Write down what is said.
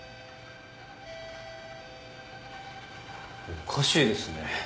おかしいですね